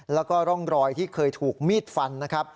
แล้วก็ร่องรอยที่เคยถูกมีดฟันนะครับ